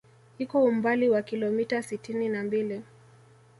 Iko umbali wa kilomita sitini na mbili